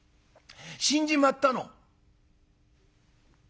「死んじまったの」。